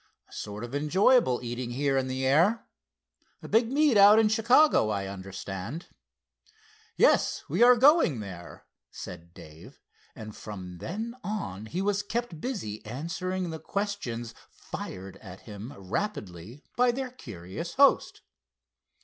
"Sort of enjoyable, eating here in the air. Big meet out in Chicago, I understand?" "Yes, we are going there," said Dave, and from then on he was kept busy answering the questions "fired" at him rapidly by their curious host.